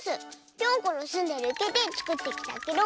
ぴょんこのすんでるいけでつくってきたケロ。